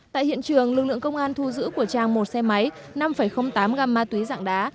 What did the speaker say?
tại hiện trường lực lượng công an thu giữ của trang một xe máy năm tám gam ma túy dạng đá